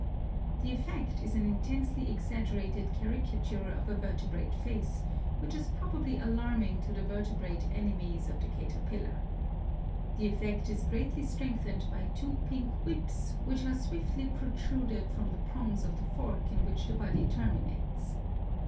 The effect is an intensely exag gerated caricature of a vertebrate face, which is prob ably alarming to the vertebrate enemies of the caterpillar. ... The effect is greatly strengthened by two pink whips which are swiftly protruded from the prongs of the fork in which the body terminates